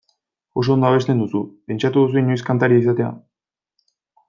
Oso ondo abesten duzu, pentsatu duzu inoiz kantaria izatea?